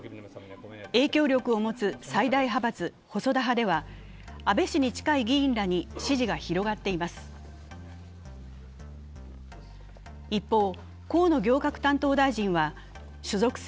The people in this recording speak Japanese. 影響力を持つ最大派閥・細田派では安倍氏に近い議員らに支持が広がっています。